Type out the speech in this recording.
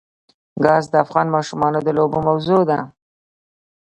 ګاز د افغان ماشومانو د لوبو موضوع ده.